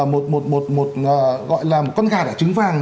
một con gà đã trứng vàng